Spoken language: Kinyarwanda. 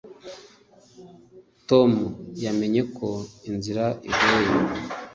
tom yamenye ko inzira igoye